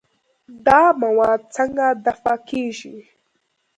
دا مواد څنګه دفع کېږي؟